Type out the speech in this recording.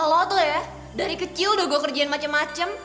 lo tuh ya dari kecil udah gue kerjain macem macem